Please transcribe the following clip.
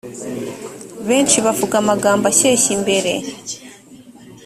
benshi bavuga amagambo ashyeshya imbere